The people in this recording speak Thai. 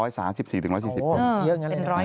เยอะอย่างนั้นเลย